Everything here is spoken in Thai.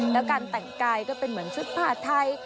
แล้วการแต่งกายก็เป็นเหมือนชุดผ่าไทย